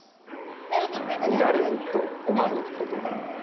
見られると困ることでも？